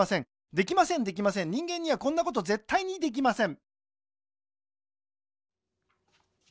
できませんできません人間にはこんなことぜったいにできません